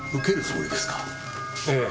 ええ。